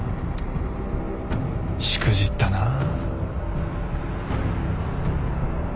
しくじったなあ。